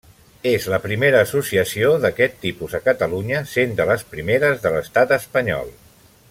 És la primera associació d'aquest tipus a Catalunya, sent de les primeres de l'Estat Espanyol.